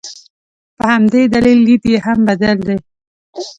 په همدې دلیل لید یې هم بدل دی.